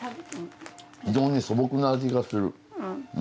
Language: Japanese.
非常に素朴な味がするうん。